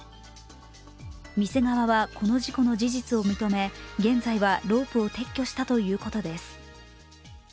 店側はこの事故の事実を認め現在はロープを撤去したということです。